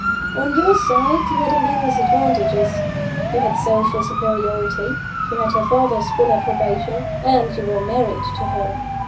"On your side, you had immense advantages. You had social superiority; you had her father's full approbation; and you were married to her.